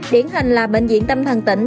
điển hình là bệnh viện tâm thần tỉnh